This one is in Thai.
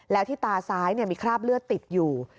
แล้วที่ตาซ้ายมีคราบเลือดติดอยู่